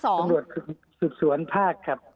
ตำรวจจากสุดสวนภาคครับ